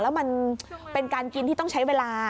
แล้วมันเป็นการกินที่ต้องใช้เวลา